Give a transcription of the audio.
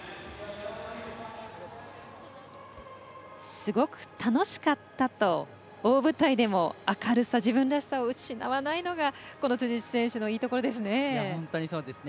すごく楽しかったと大舞台でも明るさ、自分らしさを失わないのが辻内選手のよさですね。